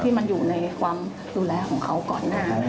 มันอยู่ในความดูแลของเขาก่อนหน้า